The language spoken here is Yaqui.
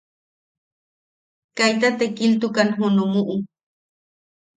Kaita tekiltukan junumuʼu.